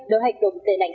để hạt động tệ nạn